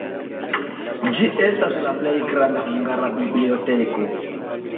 Ĝi estas la plej granda hungara biblioteko.